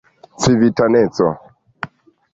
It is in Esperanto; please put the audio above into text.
civitaneco